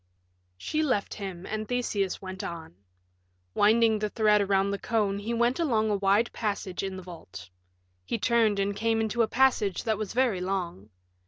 She left him, and Theseus went on. Winding the thread around the cone he went along a wide passage in the vault. He turned and came into a passage that was very long.